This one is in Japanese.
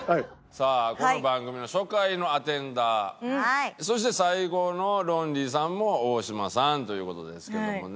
さあこの番組の初回のアテンダーそして最後のロンリーさんも大島さんという事ですけどもね。